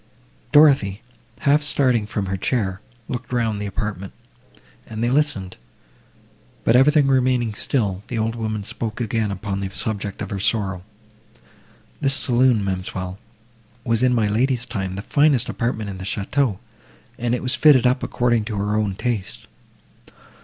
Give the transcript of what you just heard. Dorothée, half starting from her chair, looked round the apartment, and they listened—but, everything remaining still, the old woman spoke again upon the subject of her sorrow. "This saloon, ma'amselle, was in my lady's time the finest apartment in the château, and it was fitted up according to her own taste.